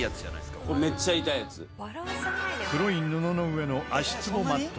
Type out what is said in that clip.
これめっちゃ痛いやつ。